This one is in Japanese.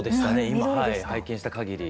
今拝見した限り。